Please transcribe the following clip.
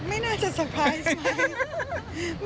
ไม่น่าจะสุดท้ายไหม